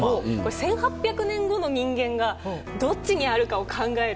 １８００年後の人間がどっちにあるかを考える。